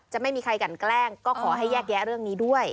ไม่มีใครกันแกล้งก็ขอให้แยกแยะเรื่องนี้ด้วย